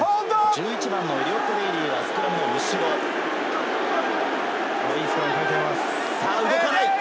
１１番のエリオット・デイリーはスクラムの後ろ、動かない。